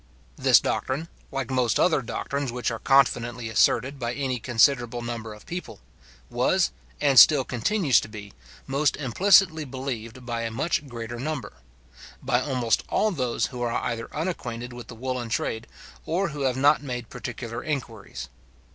This doctrine, like most other doctrines which are confidently asserted by any considerable number of people, was, and still continues to be, most implicitly believed by a much greater number: by almost all those who are either unacquainted with the woollen trade, or who have not made particular inquiries.